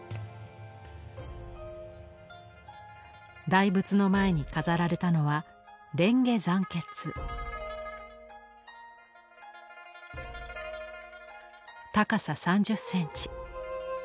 大仏の前に飾られたのは高さ３０センチ。